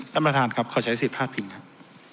ท่านประธานครับขอใช้ศึกภาพพิมพ์